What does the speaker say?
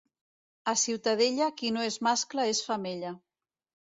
A Ciutadella qui no és mascle és femella.